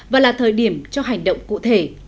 và là thời điểm cho hành động cụ thể